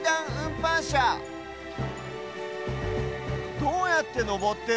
どうやってのぼってる？